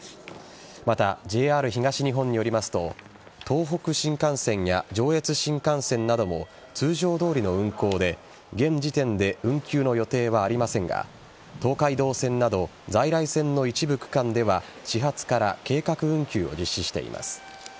また、ＪＲ東日本によりますと東北新幹線や上越新幹線なども通常どおりの運行で現時点で運休の予定はありませんが東海道線など在来線の一部区間では始発から計画運休を実施しています。